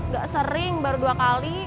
gak sering baru dua kali